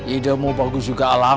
idemu bagus juga alang